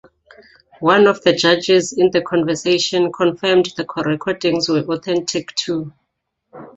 One of the judges in the conversation confirmed the recordings were authentic too.